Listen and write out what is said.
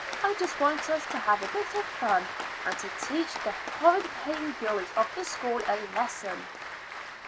I just want us to have a bit of fun, and to teach the horrid paying girls of the school a lesson."